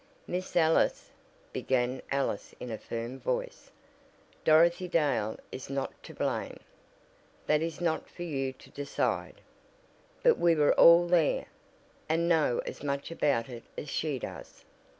"Miss Ellis," began Alice in a firm voice, "Dorothy Dale is not to blame " "That is not for you to decide." "But we were all there, and know as much about it as she does."